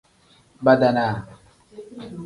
Badaanaa.